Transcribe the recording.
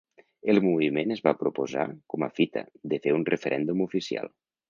El moviment es va proposar, com a fita, de fer un referèndum oficial.